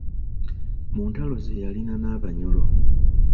Mu ntalo ze yalina n’Abanyoro.